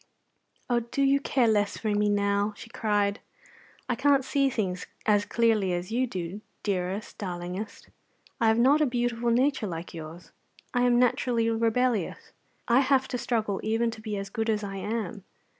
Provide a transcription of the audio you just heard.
"Oh, do you care less for me now?" she cried. "I can't see things as clearly as you do, dearest, darlingest. I have not a beautiful nature like yours. I am naturally rebellious. I have to struggle even to be as good as I am.